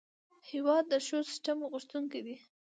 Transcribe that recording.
هېواد د ښو سیسټم غوښتونکی دی.